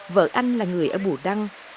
vợ anh là người ở bù đăng